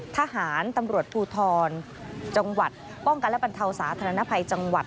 ทหารตำรวจภูทรจังหวัดป้องกันและบรรเทาสาธารณภัยจังหวัด